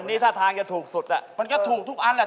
นี่ท่าทางจะถูกสุดมันก็ถูกทุกอันแหละ